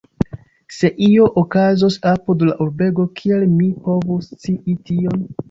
Se io okazos apud la urbego, kiel mi povus scii tion?